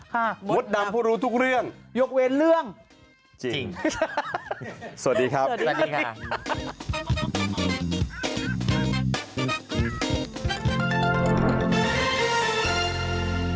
ค่ะมดดำผู้รู้ทุกเรื่องจริงสวัสดีครับสวัสดีค่ะจริง